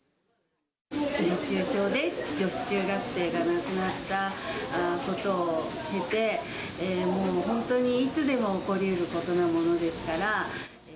熱中症で女子中学生が亡くなったことを経て、もう本当にいつでも起こりうることなものですから。